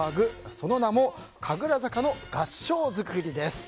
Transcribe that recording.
その名も神楽坂の合掌造りです。